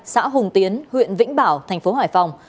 xã hùng tiến huyện vĩnh bảo thành phố hải phòng